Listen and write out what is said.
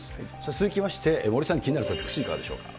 続きまして、森さん、気になるトピックス、いかがでしょうか。